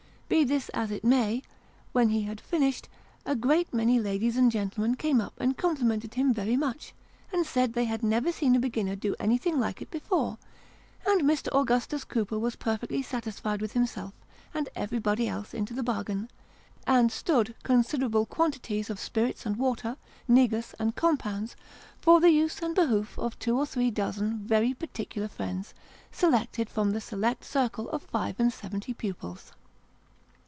Be this as it may, when he had finished, a great many ladies and gentlemen came up and complimented him very much, and said they had never seen a beginner do anything like it before ; and Mr. Augustus Cooper was perfectly satisfied with himself, and everybody else into the bargain ; and " stood " considerable quantities of spirits and water, negus, and compounds, for the use and behoof of two or three dozen very particular friends, selected from the select circle of five and seventy pupils.